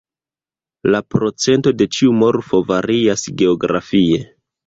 La procento de ĉiu morfo varias geografie.